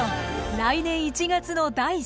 来年１月の第３集。